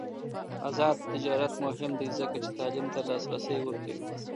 آزاد تجارت مهم دی ځکه چې تعلیم ته لاسرسی ورکوي.